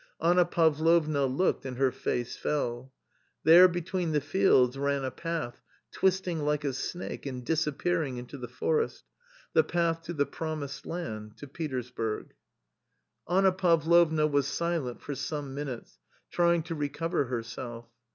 Anna Pavlovna looked and her face fell. There between the fields ran a path twisting like a snake and disappearing into the forest, the path to the promised land — to Petersburg. A COMMON STORY 9 Anna Pavlovna was silent for some minutes, trying to recover herself.